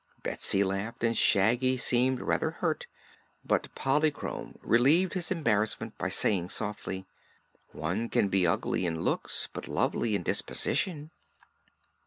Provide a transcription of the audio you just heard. Betsy laughed and Shaggy seemed rather hurt; but Polychrome relieved his embarrassment by saying softly: "One can be ugly in looks, but lovely in disposition."